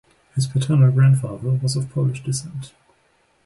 His paternal grandfather was of Polish descent.